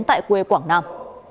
tại quê quảng nam